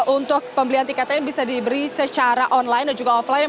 untuk pembelian tiket ini bisa diberi secara online dan juga offline